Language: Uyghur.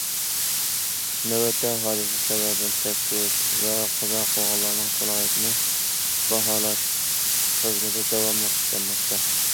نۆۋەتتە، ھادىسە سەۋەبىنى تەكشۈرۈش ۋە قازا قىلغانلارنىڭ سالاھىيىتىنى باھالاش خىزمىتى داۋاملىق ئىشلەنمەكتە.